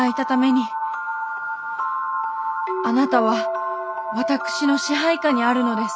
あなたは私の支配下にあるのです。